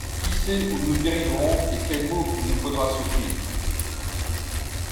Qui sait où nous dériverons, et quels maux il nous faudra souffrir!